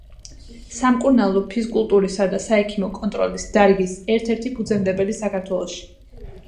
სამკურნალო ფიზკულტურისა და საექიმო კონტროლის დარგის ერთ-ერთი ფუძემდებელი საქართველოში.